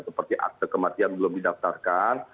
seperti akte kematian belum didaftarkan